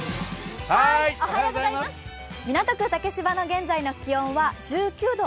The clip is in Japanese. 港区竹芝の現在の気温は１９度。